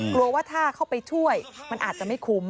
กลัวว่าถ้าเข้าไปช่วยมันอาจจะไม่คุ้ม